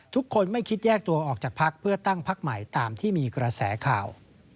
ทุกคนไม่คิดแยกตัวออกจากพักเพื่อตั้งพักใหม่ตามที่มีกระแสข่าว